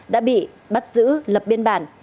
đã bị bắt giữ lập biên bản